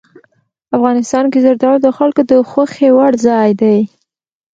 افغانستان کې زردالو د خلکو د خوښې وړ ځای دی.